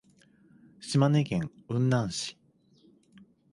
島根県雲南市